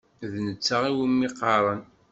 D netta iwumi qqaren.